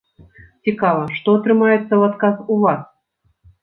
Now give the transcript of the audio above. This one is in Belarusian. Цікава, што атрымаецца ў адказ у вас?